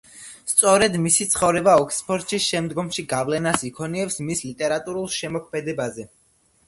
სწორედ მისი ცხოვრება ოქსფორდში შემდგომში გავლენას იქონიებს მის ლიტერატურულ შემოქმედებაზე.